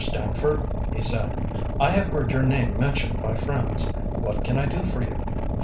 Stamford," he said, "I have heard your name mentioned by friends. What can I do for you?